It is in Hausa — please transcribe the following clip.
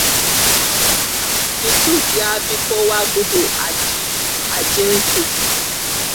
Yusuf ya fi kowa gudu a ajin su.